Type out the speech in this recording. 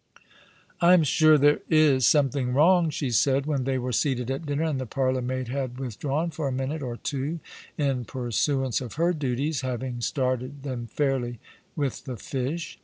" I am sure there is something wrong I " she said, when they were seated at dinner, and the parlour maid had with drawn for a minute or two in pursuance of her duties, having started them fairly with the fish.